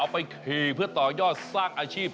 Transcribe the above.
เอาไปเกลียดเพื่อต่วยอดสร้างอาชีพ